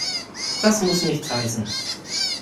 Das muss nichts heißen.